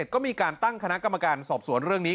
ก็มีการตั้งคณะกรรมการสอบสวนเรื่องนี้